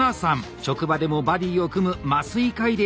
職場でもバディーを組む麻酔科医であります。